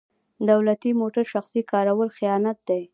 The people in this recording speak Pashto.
دولتي موټر شخصي کارول خیانت دی.